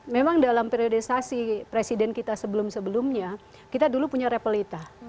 memang dalam periodisasi presiden kita sebelum sebelumnya kita dulu punya repelita